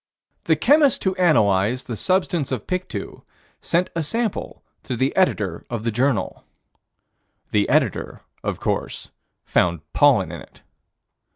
The chemist who analyzed the substance of Pictou sent a sample to the Editor of the Journal. The Editor of course found pollen in it.